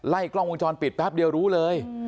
กล้องวงจรปิดแป๊บเดียวรู้เลย